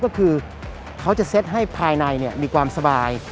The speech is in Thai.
ก็คือเขาจะเซ็ตให้ภายในมีความสบาย